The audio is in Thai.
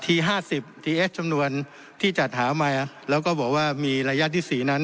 ห้าสิบทีเอสจำนวนที่จัดหามาแล้วก็บอกว่ามีระยะที่๔นั้น